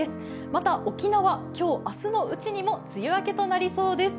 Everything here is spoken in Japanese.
また、沖縄、今日明日のうちにも梅雨明けとなりそうです。